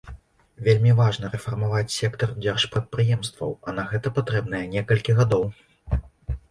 Вельмі важна рэфармаваць сектар дзяржпрадпрыемстваў, а на гэта патрэбныя некалькі гадоў.